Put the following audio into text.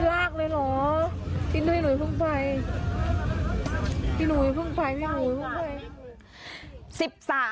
รักเลยเหรอกิณด้วยหนุ่ยพรุ่งไฟ